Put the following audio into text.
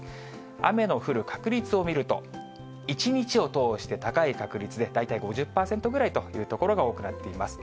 雨の降る確率を見ると、一日を通して高い確率で、大体５０％ぐらいという所が多くなっています。